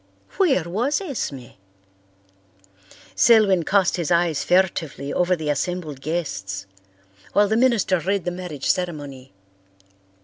Where was Esme? Selwyn cast his eyes furtively over the assembled guests while the minister read the marriage ceremony.